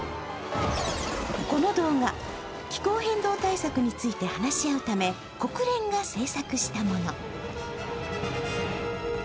この動画、気候変動対策について話し合うため国連が制作したもの。